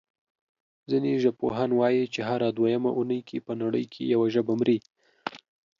ځینې ژبپوهان وايي چې هره دویمه اوونۍ په نړۍ کې یوه ژبه مري.